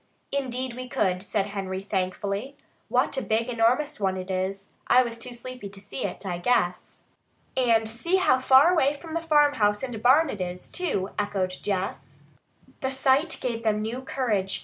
"Indeed we could," said Henry thankfully. "What a big, enormous one it is! I was too sleepy to see it, I guess." "And see how far away from the farmhouse and barn it is, too!" echoed Jess. The sight gave them new courage.